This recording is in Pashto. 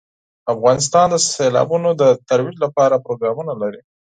افغانستان د سیلابونه د ترویج لپاره پروګرامونه لري.